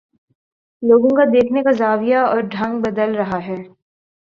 لوگوں کا دیکھنے کا زاویہ اور ڈھنگ بدل رہا ہے